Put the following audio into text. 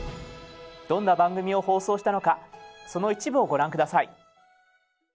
どんな番組を放送したのかその一部をご覧下さい。